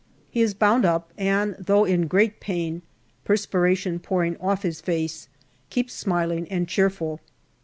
He is bound up and, though in great pain, perspiration pouring off his face, keeps smiling and cheerful.